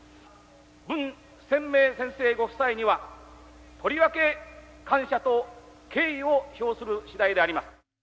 文鮮明先生ご夫妻には、とりわけ感謝と敬意を表するしだいであります。